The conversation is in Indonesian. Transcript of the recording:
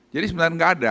jadi sebenarnya enggak ada